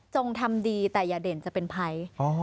ทำดีแต่อย่าเด่นจะเป็นภัย